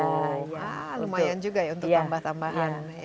wah lumayan juga ya untuk tambah tambahan